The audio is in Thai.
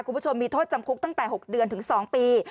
คุณผู้ชมมีโทษจำคุกตั้งแต่๖เดือนถึง๒ปี